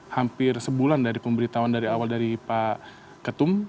hampir sebulan dari pemberitahuan dari awal dari pak ketum